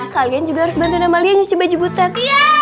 kalian juga harus bantuan amalia nyuci baju butet